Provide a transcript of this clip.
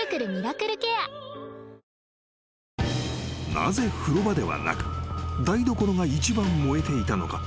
［なぜ風呂場ではなく台所が一番燃えていたのか？］